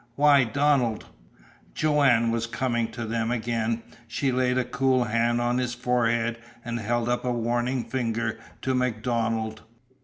Why, Donald " Joanne was coming to them again. She laid a cool hand on his forehead and held up a warning finger to MacDonald.